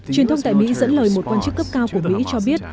truyền thông tại mỹ dẫn lời một quan chức cấp cao của mỹ cho biết